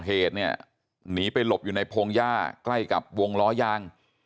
เหตุเนี่ยหนีไปหลบอยู่ในพงหญ้าใกล้กับวงล้อยาง